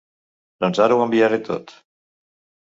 Doncs ara ho enviaré tot.